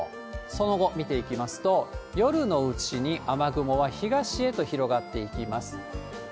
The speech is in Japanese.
その後見ていきますと、夜のうちに雨雲は東へと広がっていきます。